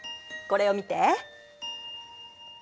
これを見て。